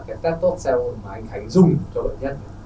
cái testosterone mà anh khánh dùng cho đợt nhất